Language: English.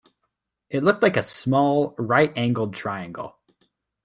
It looked like a small right-angled triangle